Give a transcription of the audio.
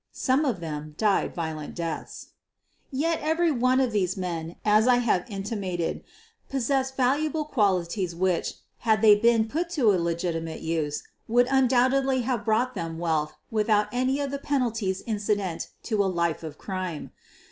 Some of them died violent deaths. Yet every one of these men, as I have intimated, possessed valuable qualities which, had they been put to a legitimate use, would undoubtedly have brought them wealth without any of the penalties incident to a life of crime.